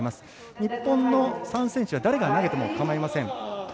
日本の３選手は誰が投げても構いません。